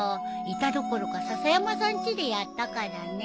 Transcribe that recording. いたどころか笹山さんちでやったからね。